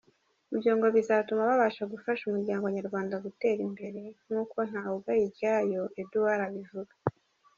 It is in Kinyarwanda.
Ibyo ngo bizatuma babasha gufasha umuryango nyarwanda gutera imbere; nk’uko Ntawugayiryayo Edouard abivuga.